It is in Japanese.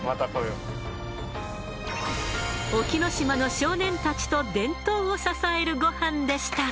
隠岐の島の少年たちと伝統を支えるゴハンでした。